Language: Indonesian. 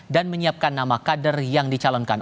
dan menyiapkan nama kader yang dicalonkan